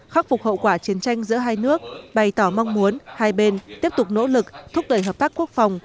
khắc phục hậu quả chiến tranh giữa hai nước bày tỏ mong muốn hai bên tiếp tục nỗ lực thúc đẩy hợp tác quốc phòng